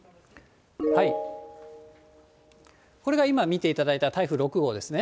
これが今、見ていただいた台風６号ですね。